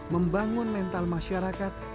membangun mental masyarakat